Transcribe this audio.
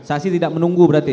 saksi tidak menunggu berarti